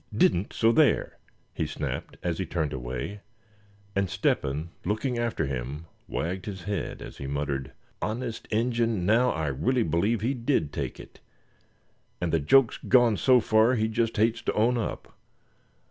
"Didn't, so there!" he snapped, as he turned away; and Step hen, looking after him, wagged his head as he muttered: "Honest Injun now, I really believe he did take it, and the joke's gone so far he just hates to own up.